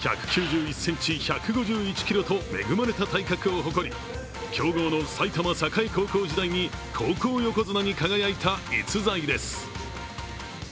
１９１ｃｍ、１５１ｋｇと恵まれた体格を誇り、強豪の埼玉栄高校時代に高校横綱に輝いた逸材です。